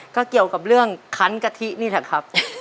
ก็เกี่ยวกับเรื่องคันกะทินี่แหละครับ